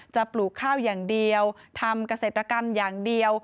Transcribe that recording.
ปลูกข้าวอย่างเดียวทำเกษตรกรรมอย่างเดียว